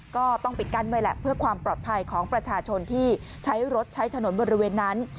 ก็ต้องปิดกั้นไว้แหละเพื่อความปลอดภัยของประชาชนที่ใช้รถใช้ถนนบริเวณนั้น